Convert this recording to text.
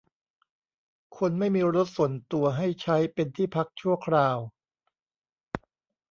คนไม่มีรถส่วนตัวให้ใช้เป็นที่พักชั่วคราว